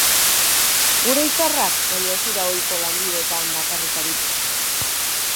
Gure izarrak, baina, ez dira ohiko lanbideetan bakarrik aritu.